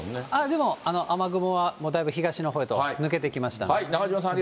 でも雨雲は、もうだいぶ東のほうへと抜けてきましたんで。